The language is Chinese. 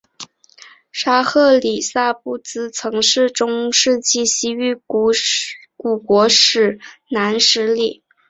沙赫里萨布兹曾是中世纪西域古国史国南十里。